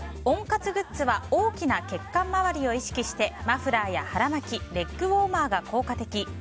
温活グッズは大きな血管周りを意識してマフラーや腹巻きレッグウォーマーが効果的。